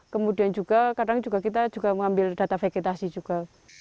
kemudian juga kadang kita juga mengambil data vegetasi juga